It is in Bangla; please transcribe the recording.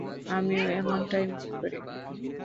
আমিও এমনটাই মনে করি।